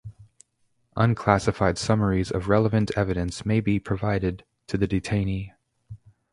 Unclassified summaries of relevant evidence may be provided to the detainee.